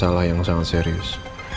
masalah yang sangat serius